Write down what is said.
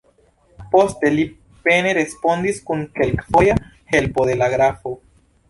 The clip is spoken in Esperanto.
Poste li pene respondis kun kelkfoja helpo de la grafo.